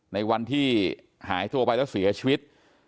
ในวันที่หายตัวไปแล้วเสียชีวิต